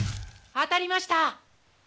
当たりました！